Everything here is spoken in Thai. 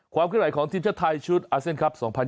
ความคิดใหม่ของทีมชะไทยชุดอาเซนครับ